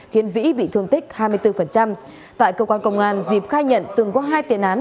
khiến vĩ bị thương tích hai mươi bốn tại cơ quan công an diệp khai nhận từng có hai tiền án